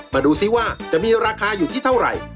มาดูซิว่าจะมีราคาอยู่ที่เท่าไหร่